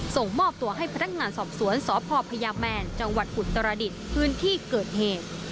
ส่งมอบตัวให้พนักงานสอบสวนสพพยาแมนจังหวัดอุตรดิษฐ์พื้นที่เกิดเหตุ